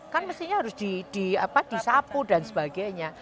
kan mestinya harus disapu dan sebagainya